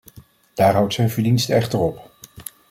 Daar houdt zijn verdienste echter op.